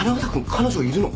彼女いるの！？